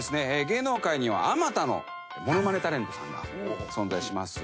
芸能界にはあまたのものまねタレントさんが存在します。